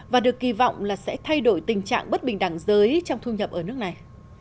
và được kỳ vọng là sẽ thay đổi tình trạng bất bình đẳng giới trong thu nhập ở nước này